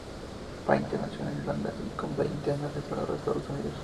Painter nació en Irlanda y con veinte años se trasladó a Estados Unidos.